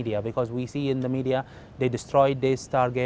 dan jika ini berterusan tanpa